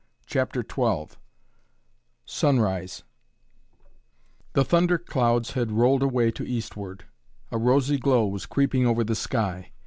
CHAPTER XII SUNRISE The thunder clouds had rolled away to eastward. A rosy glow was creeping over the sky.